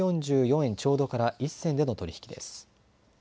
ちょうどから１銭での取り引きです。